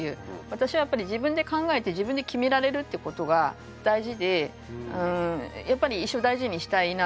私はやっぱり自分で考えて自分で決められるってことが大事でうんやっぱり一生大事したいなと思っているんですね。